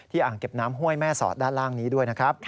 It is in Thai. อ่างเก็บน้ำห้วยแม่สอดด้านล่างนี้ด้วยนะครับ